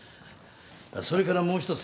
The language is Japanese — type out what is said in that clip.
それからもう一つ。